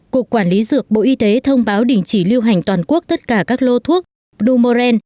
cục quản lý dược bộ y tế thông báo đình chỉ lưu hành toàn quốc tất cả các lô thuốc brumeren